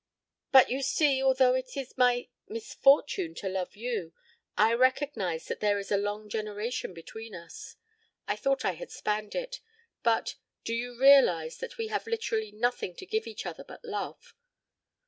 "But, you see, although it is my misfortune to love you, I recognize that there is a long generation between us. I thought I had spanned it, but do you realize that we have literally nothing to give each other but love?